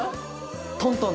トントン？